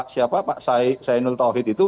siapa pak zainul tauhid itu